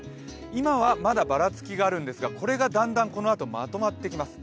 今はまだばらつきがあるんですが、これがこのあとだんだんまとまってきます。